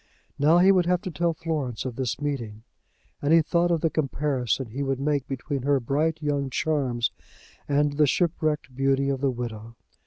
Now he would have to tell Florence of this meeting; and he thought of the comparison he would make between her bright young charms and the shipwrecked beauty of the widow.